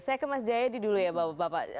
saya ke mas jayadi dulu ya bapak bapak